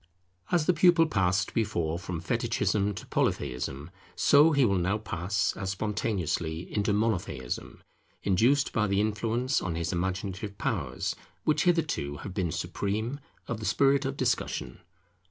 As the pupil passed before from Fetichism to Polytheism, so he will now pass, as spontaneously, into Monotheism, induced by the influence on his imaginative powers which hitherto have been supreme, of the spirit of discussion.